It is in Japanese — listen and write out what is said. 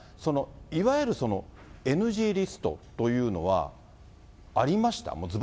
いわゆるＮＧリストというのはありました？